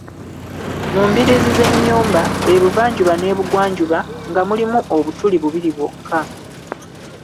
Mu mbiriizi z'ennyumba, ebuvanjuba n'ebugwanjuba nga mulimu obutuli bubiri bwokka.